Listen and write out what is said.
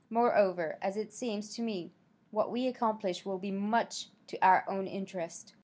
Moreover, as it seems to me, what we accomplish will be much to our own interest.